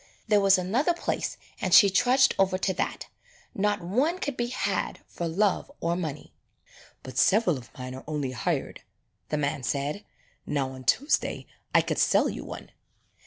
There was another place and she trudged over to that. Not one could be had for love or money. "But several of mine are only hired," the man said. "Now on Tuesday I could sell you one."